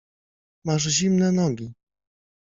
Masz zimne nogi.